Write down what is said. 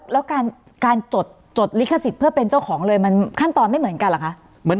แล้วการจดลิขสิทธิ์เพื่อเป็นเจ้าของเลยมันขั้นตอนไม่เหมือนกันเหรอคะ